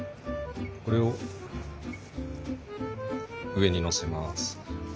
これを上にのせます。